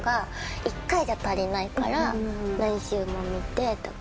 １回じゃ足りないから何周も見てとか。